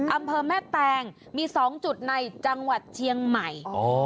อำเภอแม่แตงมี๒จุดในจังหวัดเชียงใหม่